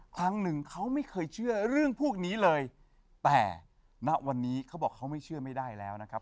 ครั้งหนึ่งเขาไม่เคยเชื่อเรื่องพวกนี้เลยแต่ณวันนี้เขาบอกเขาไม่เชื่อไม่ได้แล้วนะครับ